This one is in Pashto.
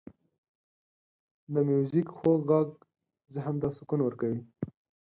• د میوزیک خوږ ږغ ذهن ته سکون ورکوي.